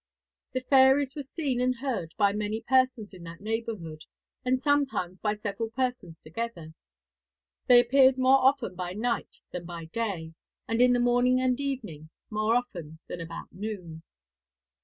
}] The fairies were seen and heard by many persons in that neighbourhood, and sometimes by several persons together. They appeared more often by night than by day, and in the morning and evening more often than about noon.